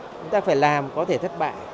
chúng ta phải làm có thể thất bại